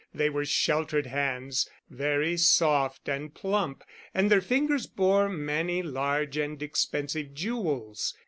They were sheltered hands, very soft and plump, and their fingers bore many large and expensive jewels.